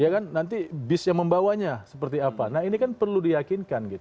ya kan nanti bis yang membawanya seperti apa nah ini kan perlu diyakinkan